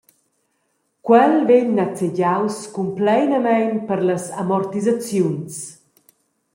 Quel vegn nezegiaus cumpleinamein per las amortisaziuns.